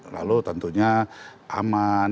lalu tentunya aman